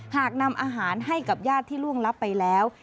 หากนำอาหารให้กับญาติที่ล่วงลับไปแล้ว